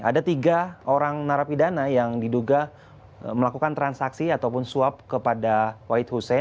ada tiga orang narapidana yang diduga melakukan transaksi ataupun swap kepada ytp